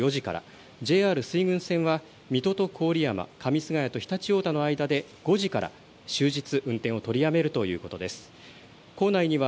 またＪＲ水戸線の下舘と友部の間はこのあと４時から、ＪＲ水郡線は水戸と郡山、上菅谷と常陸太田の間で５時から終日運転を取りやめるということです。